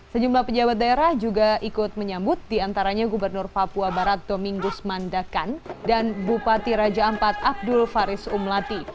sejumlah pejabat daerah juga ikut menyambut diantaranya gubernur papua barat dominggus mandakan dan bupati raja ampat abdul faris umlati